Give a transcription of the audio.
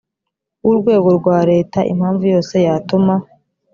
w urwego rwa leta impamvu yose yatuma